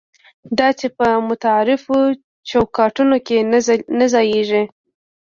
دا چې په متعارفو چوکاټونو کې نه ځایېږي.